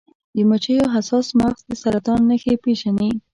د مچیو حساس مغز د سرطان نښې پیژني.